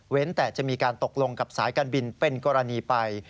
แต่จะมีการตกลงกับสายการบินเป็นกรณีไป